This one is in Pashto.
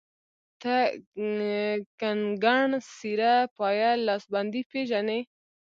ته کنګڼ ،سيره، پايل، لاسبندي پيژنې